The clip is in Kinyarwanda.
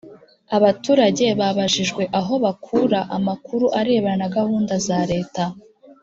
Abaturage babajijwe aho bakura amakuru arebana na gahunda za Leta